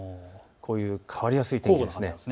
こういう変わりやすい天気なんです。